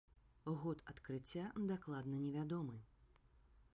Год адкрыцця дакладна не вядомы.